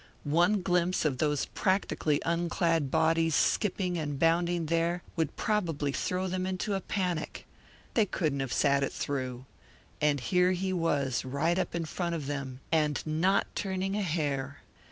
One glimpse of those practically unclad bodies skipping and bounding there would probably throw them into a panic. They couldn't have sat it through. And here he was, right up in front of them, and not turning a hair.